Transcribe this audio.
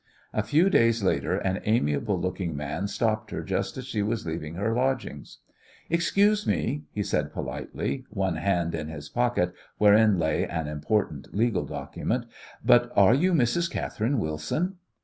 A few days later an amiable looking man stopped her just as she was leaving her lodgings. "Excuse me," he said politely, one hand in his pocket wherein lay an important legal document, "but are you Mrs. Catherine Wilson?"